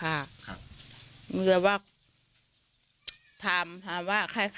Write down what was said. มันก็ว่าถามว่าใครฆ่